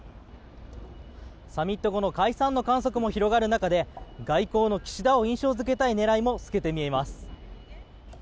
サミット後の解散の観測も広がる中で外交の岸田を印象付けたい狙いも透けて見えます。